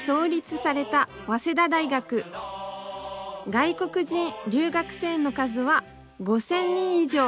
外国人留学生の数は５，０００人以上。